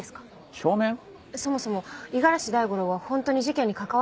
そもそも五十嵐大五郎は本当に事件に関わっているのか。